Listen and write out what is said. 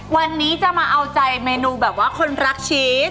วันนี้จะมาเอาใจเมนูแบบว่าคนรักชีส